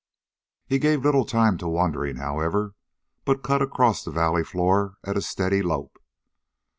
He gave little time to wondering, however, but cut across the valley floor at a steady lope.